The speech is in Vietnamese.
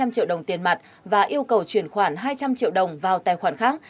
hai trăm linh triệu đồng tiền mặt và yêu cầu chuyển khoản hai trăm linh triệu đồng vào tài khoản khác